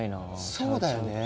そうだよね。